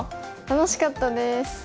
楽しかったです。